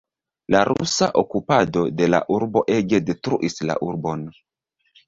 La rusa okupado de la urbo ege detruis la urbon.